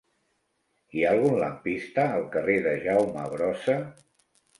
Hi ha algun lampista al carrer de Jaume Brossa?